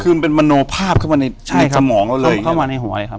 คือมันเป็นมโนภาพเข้ามาในสมองเราเลยเข้ามาในหัวเลยครับ